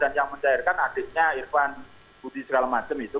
dan yang mencairkan adiknya irfan budi segala macam itu